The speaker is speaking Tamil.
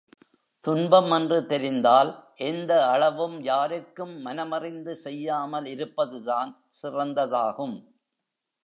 துன்பம் என்று தெரிந்தால் எந்த அளவும் யாருக்கும் மனமறிந்து செய்யாமல் இருப்பதுதான் சிறந்ததாகும்.